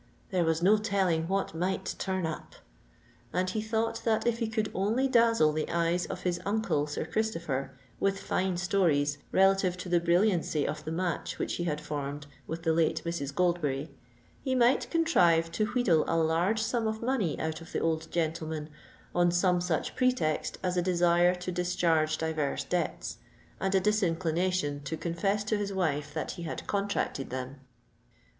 "There was no telling what might turn up;" and he thought that if he could only dazzle the eyes of his uncle Sir Christopher with fine stories relative to the brilliancy of the match which he had formed with the late Mrs. Goldberry, he might contrive to wheedle a large sum of money out of the old gentleman on some such pretext as a desire to discharge divers debts, and a disinclination to confess to his wife that he had contracted them.